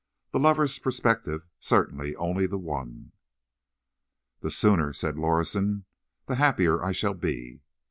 The lover's perspective contained only the one. "The sooner," said Lorison, "the happier I shall be."